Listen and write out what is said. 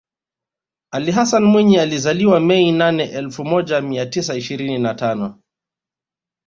Ali Hassan Mwinyi alizaliwa Mei nane elfu moja mia tisa ishirini na tano